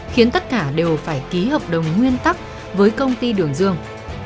khiến tất cả đều phải ký hợp đồng nguyên tắc với công ty đường dương